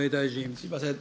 すみません。